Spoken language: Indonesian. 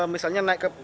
misalnya naik ke